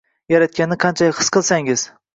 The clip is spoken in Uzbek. Yaratganni qanchalik his qilsangiz.